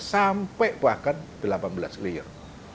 sampai bahkan delapan belas layer